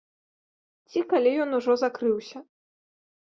Ці калі ён ужо закрыўся.